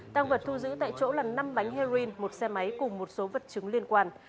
tăng vật thu giữ tại chỗ là năm bánh heroin một xe máy cùng một số vật chứng liên quan